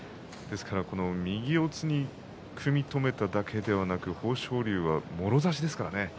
右四つに組み止めただけではなく豊昇龍は、もろ差しですからね。